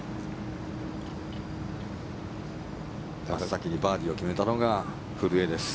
先にバーディーを決めたのが古江です。